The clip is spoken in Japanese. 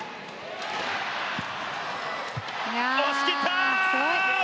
押し切った！